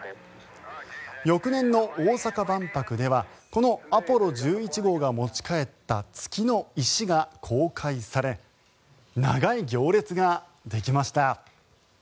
翌年の大阪万博ではこのアポロ１１号が持ち帰った月の石が公開され長い行列ができました。